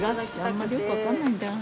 あんまりよく分かんない。